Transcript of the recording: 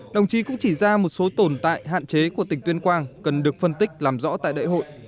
đồng chí cũng chỉ ra một số tồn tại hạn chế của tỉnh tuyên quang cần được phân tích làm rõ tại đại hội